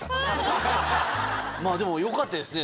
まぁでもよかったですね